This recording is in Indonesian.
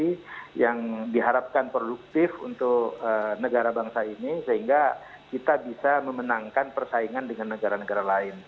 jadi yang diharapkan produktif untuk negara bangsa ini sehingga kita bisa memenangkan persaingan dengan negara negara lain